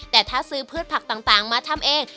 แต่ถ้าซื้อพืชผักต่างมาทำเอง